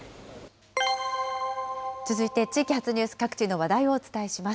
続いて地域発ニュース、各地の話題をお伝えします。